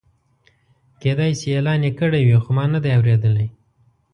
کېدای شي اعلان یې کړی وي خو ما نه دی اورېدلی.